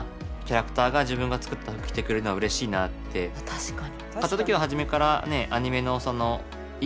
確かに。